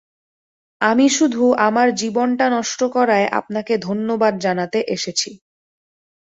আমি শুধু, আমার জীবনটা নষ্ট করায় আপনাকে ধন্যবাদ জানাতে এসেছি।